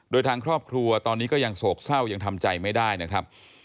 โดยทางครอบครัวตอนนี้ก็ยังโศกเศร้ายังทำใจไม่ได้นะครับ